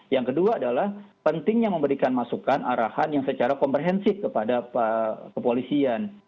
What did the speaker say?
yang kedua adalah pentingnya memberikan masukan arahan yang secara komprehensif kepada kepolisian